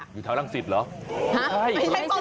อยู่แถวรังสิตเหรอ